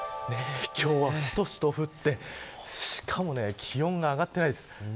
今日はしとしと降ってしかも気温が上がってないです。